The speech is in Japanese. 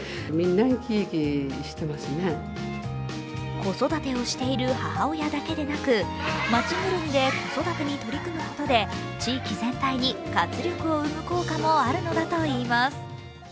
子育てをしている母親だけでなく町ぐるみで子育てに取り組むことで地域全体に活力を生む効果もあるのだといいます。